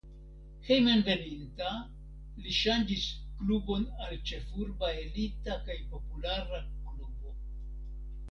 Hejmenveninta li ŝanĝis klubon al ĉefurba elita kaj populara klubo.